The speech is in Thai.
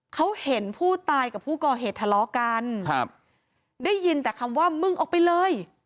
เขาเห็นผู้ตายกับผู้ก่อเหตุทะเลาะกันครับได้ยินแต่คำว่ามึงออกไปเลย